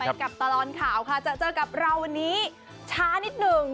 กับตลอดข่าวค่ะจะเจอกับเราวันนี้ช้านิดหนึ่ง